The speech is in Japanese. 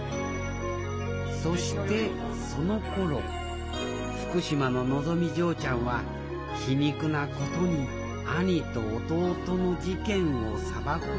そしてそのころ福島ののぞみ嬢ちゃんは皮肉なことに兄と弟の事件を裁こうとしていたのであります